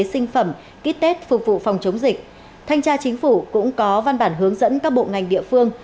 sinh phẩm ký tết phục vụ phòng chống dịch thanh tra chính phủ cũng có văn bản hướng dẫn các bộ ngành địa phương